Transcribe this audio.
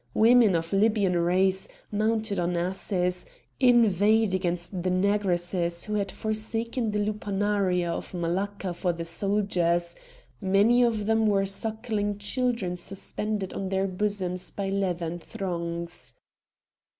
Women of Libyan race, mounted on asses, inveighed against the Negresses who had forsaken the lupanaria of Malqua for the soldiers; many of them were suckling children suspended on their bosoms by leathern thongs.